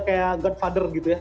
kayak godfather gitu ya